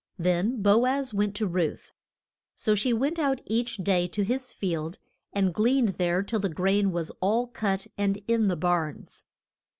Then Bo az went to Ruth. So she went out each day to his field, and gleaned there till the grain was all cut and in the barns.